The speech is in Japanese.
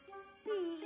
うん！